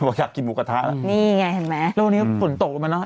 อยากกินหมูกระทะแล้วนี่ไงเห็นไหมแล้ววันนี้ฝนตกลงมาเนอ